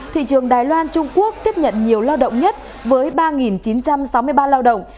thị trường đài loan trung quốc tiếp nhận nhiều lao động nhất với ba chín trăm sáu mươi ba lao động